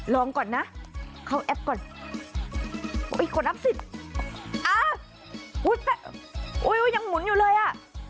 ลองก่อนนะเขาแอปก่อนอุ้ยคนรับสิทธิ์อุ๊ยยังหมุนอยู่เลยอ่ะ